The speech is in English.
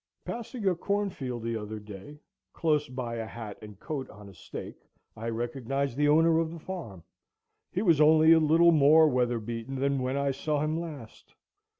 Passing a cornfield the other day, close by a hat and coat on a stake, I recognized the owner of the farm. He was only a little more weather beaten than when I saw him last.